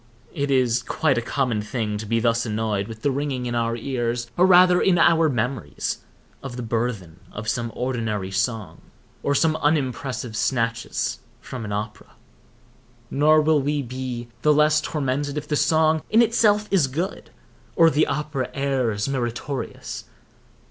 It is quite a common thing to be thus annoyed with the ringing in our ears, or rather in our memories, of the burthen of some ordinary song, or some unimpressive snatches from an opera. Nor will we be the less tormented if the song in itself be good, or the opera air meritorious.